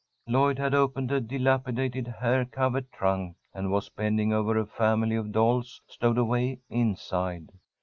Lloyd had opened a dilapidated hair covered trunk, and was bending over a family of dolls stowed away inside.